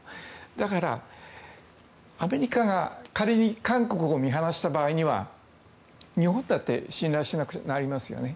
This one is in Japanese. だからアメリカが仮に韓国を見放した場合には日本だって信頼しなくなりますよね。